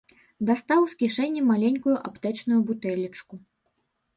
Дастаў з кішэні маленькую аптэчную бутэлечку.